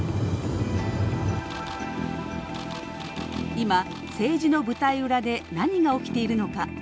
今、政治の舞台裏で何が起きているのか。